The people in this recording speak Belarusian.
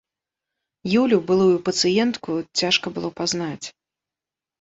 Юлю, былую пацыентку, цяжка было пазнаць.